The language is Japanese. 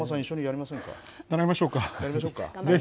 やりましょうか。